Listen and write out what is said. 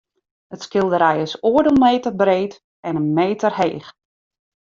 It skilderij is oardel meter breed en in meter heech.